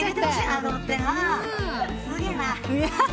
すげえな。